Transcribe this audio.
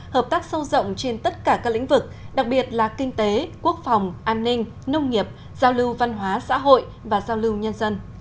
hợp tác sâu rộng trên tất cả các lĩnh vực đặc biệt là kinh tế quốc phòng an ninh nông nghiệp giao lưu văn hóa xã hội và giao lưu nhân dân